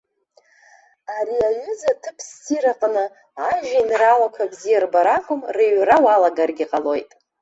Ари аҩыза аҭыԥ ссир аҟны ажәеинраалақәа бзиа рбара акәым, рыҩра уалагаргьы ҟалоит.